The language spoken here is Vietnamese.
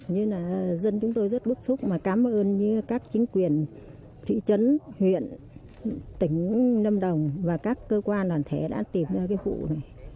nên là dân chúng tôi rất bức xúc mà cảm ơn như các chính quyền thị trấn huyện tỉnh lâm đồng và các cơ quan đoàn thể đã tìm ra cái vụ này